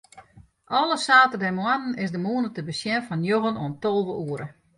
Alle saterdeitemoarnen is de mûne te besjen fan njoggen oant tolve oere.